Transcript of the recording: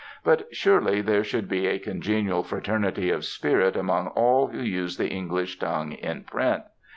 But surely there should be a congenial fraternity of spirit among all who use the English tongue in print.